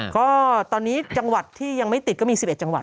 ก็ตอนนี้จังหวัดที่ยังไม่ติดก็มี๑๑จังหวัด